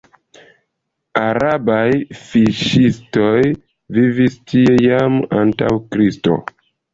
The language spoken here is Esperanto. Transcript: Arabaj fiŝistoj vivis tie jam antaŭ Kristo.